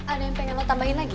ada yang pengen lo tambahin lagi